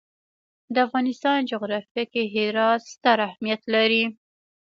د افغانستان جغرافیه کې هرات ستر اهمیت لري.